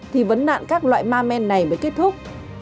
thì vấn nạn các loại ma men này mới kết thúc